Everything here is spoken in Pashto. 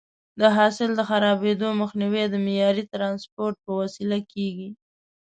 د حاصل د خرابېدو مخنیوی د معیاري ټرانسپورټ په وسیله کېږي.